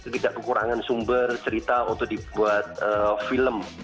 tidak kekurangan sumber cerita untuk dibuat film